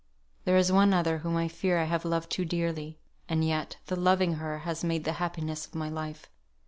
There is one other whom I fear I have loved too dearly; and yet, the loving her has made the happiness of my life.